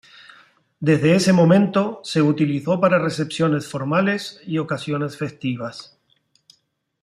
Desde ese momento, se utilizó para recepciones formales y ocasiones festivas.